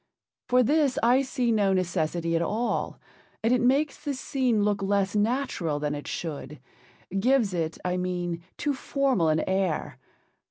For this I see no necessity at all, and it makes the scene look less natural than it should—gives it, I mean, too formal an air.